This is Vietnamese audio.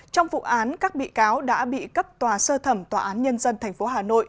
trong vụ án các bị cáo đã bị cấp tòa sơ thẩm tòa án nhân dân tp hà nội